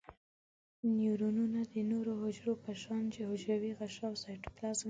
نیورونونه د نورو حجرو په شان حجروي غشاء او سایتوپلازم لري.